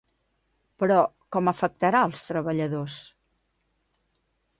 Però, com afectarà els treballadors?